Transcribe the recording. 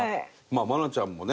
愛菜ちゃんもね